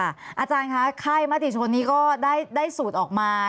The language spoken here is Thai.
อาจารย์คะค่ายมติชนนี้ก็ได้สูตรออกมา